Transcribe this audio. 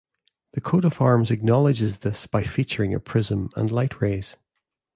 The coat of arms acknowledges this by featuring a prism and light rays.